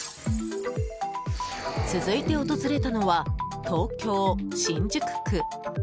続いて訪れたのは東京・新宿区。